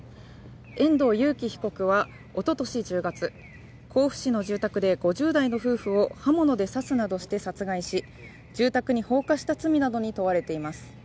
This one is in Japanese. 遠藤裕喜被告はおととし１０月、甲府市の住宅で５０代の夫婦を刃物で刺すなどして殺害し住宅に放火した罪などに問われています。